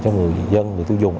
cho người dân người tiêu dùng